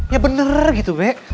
ya bener gitu bek